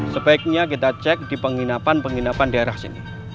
sebaiknya kita cek di penginapan penginapan daerah sini